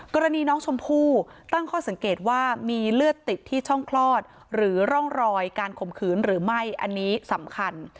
กรณีน้องชมพู่ตั้งข้อสังเกตว่ามีเลือดติดที่ช่องคลอดหรือร่องรอยการข่มขืนหรือไม่อันนี้สำคัญ